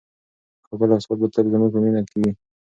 کابل او سوات به تل زموږ په مینه کې وي.